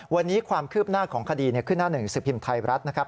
วันนี้ความคืบหน้าของคดีขึ้นหน้าหนึ่งสิบพิมพ์ไทยรัฐนะครับ